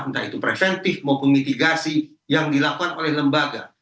entah itu preventif maupun mitigasi yang dilakukan oleh lembaga